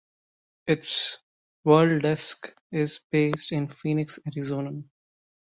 Its "World Desk" is based in Phoenix, Arizona.